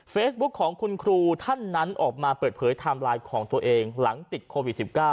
ของคุณครูท่านนั้นออกมาเปิดเผยไทม์ไลน์ของตัวเองหลังติดโควิด๑๙